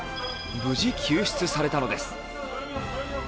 無事救出されたのです。